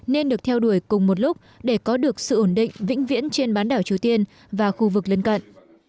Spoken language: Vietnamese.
nên được theo đuổi cùng một lúc để có được sự ổn định vĩnh viễn trên bán đảo triều tiên và khu vực lân cận